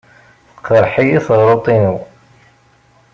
Teqreḥ-iyi teɣruḍt-inu.